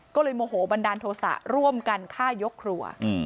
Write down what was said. ก็เลยโมโหบันดาลโทษะร่วมกันฆ่ายกครัว